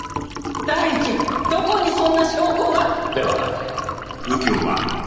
第一どこにそんな証拠が？では。